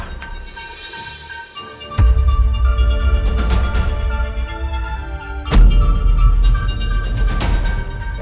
uang itu buat apa